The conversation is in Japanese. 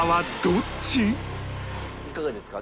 いかがですか？